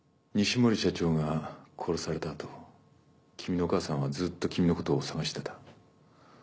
西森社長が殺されたあと君のお母さんはずっと君のことを捜していた。